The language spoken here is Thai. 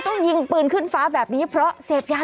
ช่วยเจียมช่วยเจียม